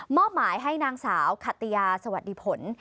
อบหมายให้นางสาวขัตยาสวัสดีผล